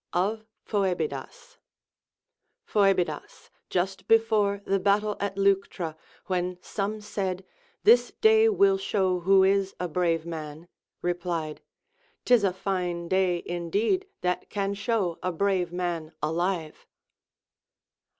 Of Phoehidas. Phoebidas, just before the battle at Leuctra, when some said, This day will show who is a brave man, replied, 'Tis a fine day indeed that can show a brave man alive.